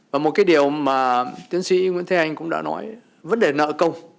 và một cái điều mà tiến sĩ nguyễn thế anh cũng đã nói vấn đề nợ công